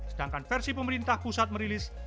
sedangkan versi pemerintah pusat merilis